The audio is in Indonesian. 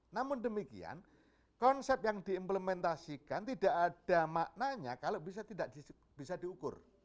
namun demikian konsep yang diimplementasikan tidak ada maknanya kalau bisa tidak bisa diukur